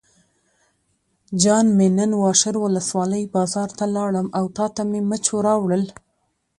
جان مې نن واشر ولسوالۍ بازار ته لاړم او تاته مې مچو راوړل.